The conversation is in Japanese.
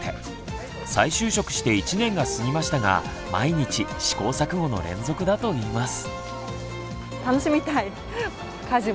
再就職して１年が過ぎましたが毎日試行錯誤の連続だと言います。